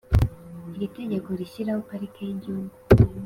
Iri tegeko rishyiraho pariki y igihugu